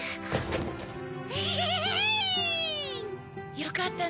よかったね。